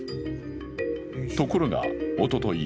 ところが、おととい